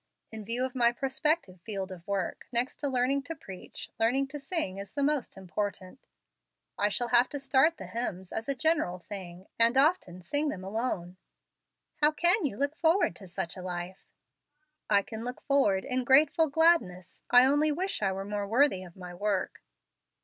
"In view of my prospective field of work, next to learning to preach, learning to sing is the most important. I shall have to start the hymns, as a general thing, and often sing them alone." "How can you look forward to such a life?" "I can look forward in grateful gladness. I only wish I were more worthy of my work."